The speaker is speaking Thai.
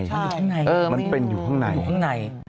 มันเป็นอยู่ข้างใน